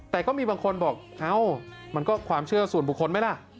แต่ก็มีบางคนบอกเอ้ามันก็ความเชื่อส่วนบุคคลไหมล่ะ